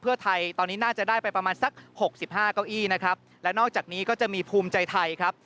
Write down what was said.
เพื่อไทยตอนนี้น่าจะได้ไปประมาณสักหกสิบห้าเก้าอี้นะครับและนอกจากนี้ก็จะมีภูมิใจไทยครับ